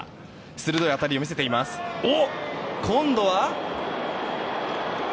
鋭い当たりを見せています。今度は。